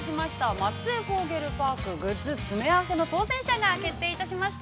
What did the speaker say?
「松江フォーゲルパークグッズ詰め合わせ」の当選者が決定いたしました！